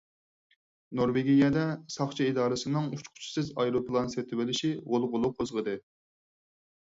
نورۋېگىيەدە ساقچى ئىدارىسىنىڭ ئۇچقۇچىسىز ئايروپىلان سېتىۋېلىشى غۇلغۇلا قوزغىدى.